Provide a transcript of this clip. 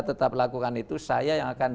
tetap lakukan itu saya yang akan